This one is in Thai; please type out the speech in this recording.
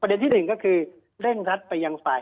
ประเด็นที่หนึ่งก็คือเล่นรับไปยังไฟ